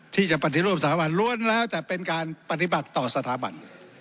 ที่จะปฏิรูปสถาบันล้วนแล้วแต่เป็นการปฏิบัติต่อสถาบัน